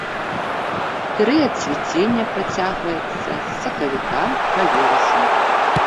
Перыяд цвіцення працягваецца з сакавіка па верасень.